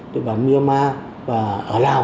địa bàn myanmar và ở lào